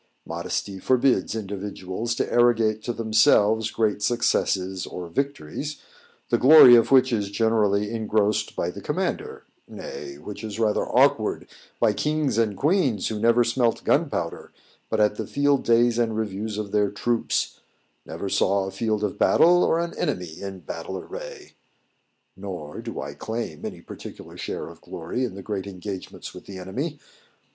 Modesty forbids individuals to arrogate to themselves great successes or victories, the glory of which is generally engrossed by the commander nay, which is rather awkward, by kings and queens who never smelt gunpowder but at the field days and reviews of their troops; never saw a field of battle, or an enemy in battle array. Nor do I claim any particular share of glory in the great engagements with the enemy.